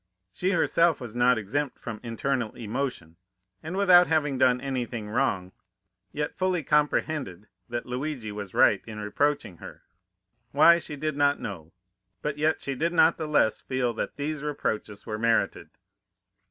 She herself was not exempt from internal emotion, and without having done anything wrong, yet fully comprehended that Luigi was right in reproaching her. Why, she did not know, but yet she did not the less feel that these reproaches were merited.